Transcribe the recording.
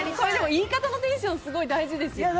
言い方のテンションがすごい大事ですよね。